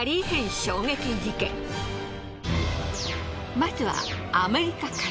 まずはアメリカから。